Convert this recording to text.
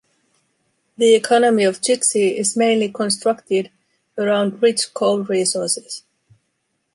The economy of Jixi is mainly constructed around rich coal resources.